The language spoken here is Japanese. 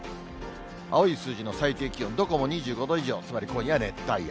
青い数字の最低気温、どこも２５度以上、つまり今夜熱帯夜。